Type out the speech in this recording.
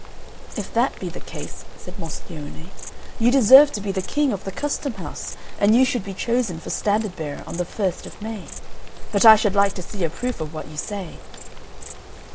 "If that be the case," said Moscione, "you deserve to be the king of the custom house, and you should be chosen for standard bearer on the first of May. But I should like to see a proof of what you say."